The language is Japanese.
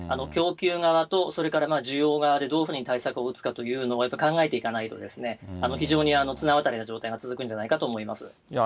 供給側とそれから需要側でどういうふうに対策を打つかというのは、やっぱり考えていかないと、非常に綱渡りの状態が続くんじゃないかと思います。